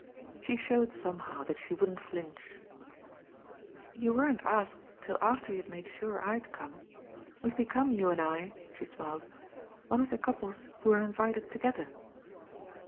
She showed somehow that she wouldn't flinch. "You weren't asked till after he had made sure I'd come. We've become, you and I," she smiled, "one of the couples who are invited together."